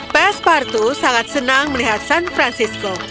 pespartu sangat senang melihat san francisco